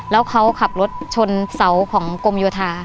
แล้วเขาขับรถชนเสาของกรมโยธา